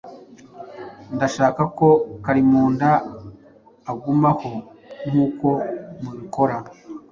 Ndashaka ko Kalimunda agumaho nkuko mubikora.